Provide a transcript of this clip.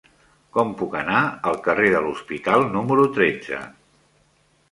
Com puc anar al carrer de l'Hospital número tretze?